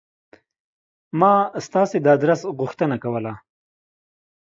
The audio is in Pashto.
ما ستاسې د آدرس غوښتنه کوله.